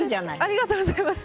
ありがとうございます。